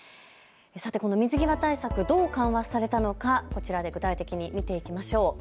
この水際対策、どう緩和されたのか、こちらで具体的に見ていきましょう。